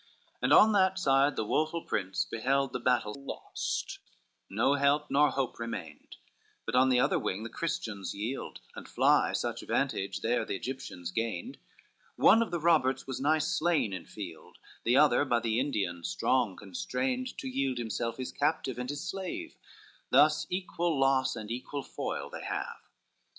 LXXI And on that side the woful prince beheld The battle lost, no help nor hope remained; But on the other wing the Christians yield, And fly, such vantage there the Egyptians gained, One of the Roberts was nigh slain in field; The other by the Indian strong constrained To yield himself his captive and his slave; Thus equal loss and equal foil they have.